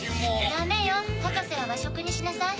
ダメよ博士は和食にしなさい。